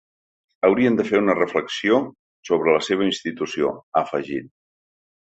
Haurien de fer una reflexió sobre la seva institució, ha afegit.